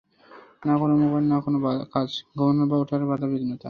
না কোন মোবাইল, না কোন কাজ, ঘুমানোর বা উঠার বাধাবিঘ্নতা।